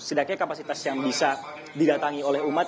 setidaknya kapasitas yang bisa didatangi oleh umat